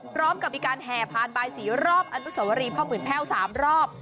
พร้อมกับงานแหผ่นใบศรีรอบอนุสวรีพ่อมื่นแพว๓รอบ